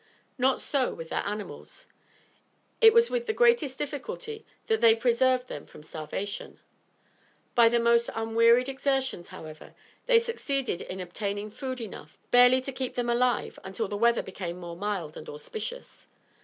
Not so with their animals. It was with the greatest difficulty that they preserved them from starvation. By the most unwearied exertions, however, they succeeded in obtaining food enough barely to keep them alive until the weather became more mild and auspicious.